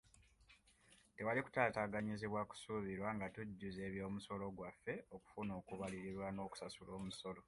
Tewali kutaataaganyizibwa kusuubirwa nga tujjuza eby'omusolo gwaffe, okufuna okubalirirwa n'okusaula omusolo.